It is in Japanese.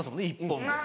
１本で。